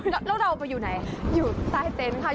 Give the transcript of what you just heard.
แล้วเราไปอยู่ไหนอยู่ใต้เต็นต์ค่ะ